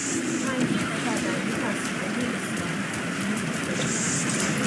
تنبیه بدنی وسیلهی اصلاح خوبی نیست.